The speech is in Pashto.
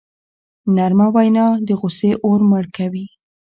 نرمه وینا د غصې اور مړ کوي.